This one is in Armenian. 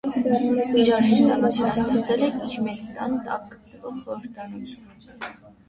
Իր արհեստանոցը նա ստեղծել է իր մեծ տան տակ գտնվող խորդանոցում։